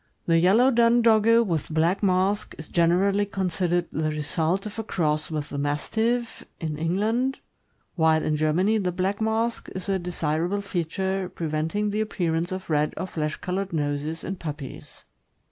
The yellow dun Dogge, with black mask, is generally considered the result of a cross with the Mastiff, in England, while in Germany the black mask is a desirable feature, preventing the appearance of red or flesh colored noses in puppies.